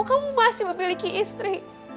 kamu masih memiliki istri